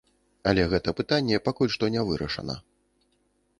Але гэта пытанне пакуль што не вырашана.